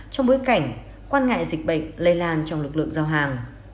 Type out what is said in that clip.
trong bối cảnh quan ngại dịch bệnh lây lan trong lực lượng giao hàng